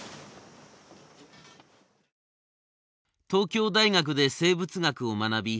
東京大学で生物学を学び